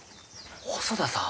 細田さん！